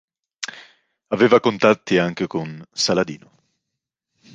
Aveva contatti anche con Saladino.